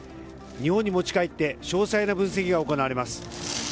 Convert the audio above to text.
日本に持ち帰って詳細な分析が行われます。